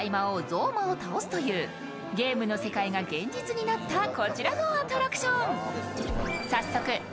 ゾーマを倒すという、ゲームの世界が現実になった、こちらのアトラクション。